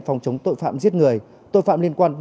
phòng chống tội phạm giết người tội phạm liên quan